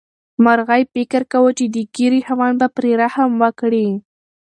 مرغۍ فکر کاوه چې د ږیرې خاوند به پرې رحم وکړي.